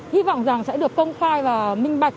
hy vọng rằng sẽ được công khai và minh bạch